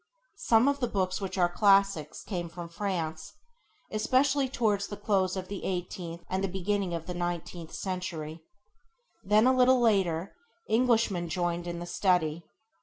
Some of the books which still are [Page 4] classics came from France, especially towards the close of the eighteenth and the beginning of the nineteenth century. Then, a little later, Englishmen joined in the study.